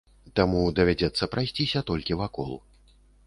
Таму давядзецца прайсціся толькі вакол.